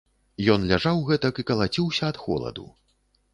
Ён ляжаў гэтак і калаціўся ад холаду.